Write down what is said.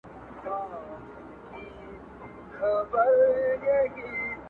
ښه دى چي نه دى د وخـــتونـــو پــــــاچـــــا.